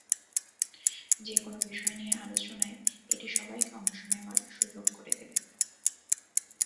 যেকোনো বিষয় নিয়ে আলোচনায় এটি সবাইকে অংশ নেওয়ার সুযোগ করে দেবে।